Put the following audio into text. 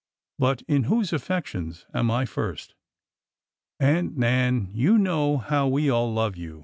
But — in whose affections am I first?" Aunt Nan, you know how we all love you